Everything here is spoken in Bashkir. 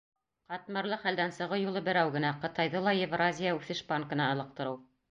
Ҡатмарлы хәлдән сығыу юлы берәү генә: Ҡытайҙы ла Евразия үҫеш банкына ылыҡтырыу.